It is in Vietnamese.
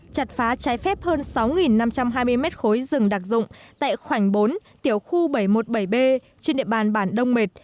chặt phá trái phép hơn sáu năm trăm hai mươi mét khối rừng đặc dụng tại khoảnh bốn tiểu khu bảy trăm một mươi bảy b trên địa bàn bản đông mệt